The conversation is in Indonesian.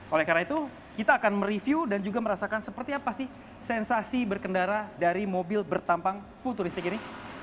oleh karena itu kita akan mereview dan juga merasakan seperti apa sih sensasi berkendara dari mobil bertampang futuristik ini